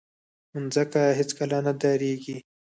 مځکه هیڅکله نه دریږي.